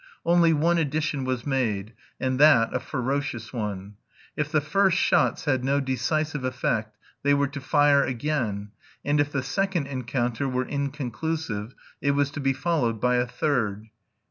Only one addition was made, and that a ferocious one. If the first shots had no decisive effect, they were to fire again, and if the second encounter were inconclusive, it was to be followed by a third.